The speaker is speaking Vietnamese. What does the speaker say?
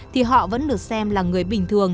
thì họ vẫn được xem là người bình thường